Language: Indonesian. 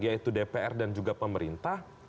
yaitu dpr dan juga pemerintah